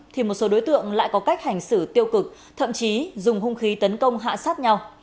thì một số đối tượng lại có cách hành xử tiêu cực thậm chí dùng hung khí tấn công hạ sát nhau